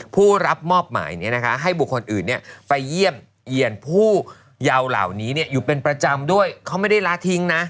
ผู้รับมอบหมายให้บุคคลอื่นไปเยี่ยมเอียนผู้เยาว์เหล่านี้อยู่เป็นประจำด้วยเขาไม่ได้ละทิ้งนะ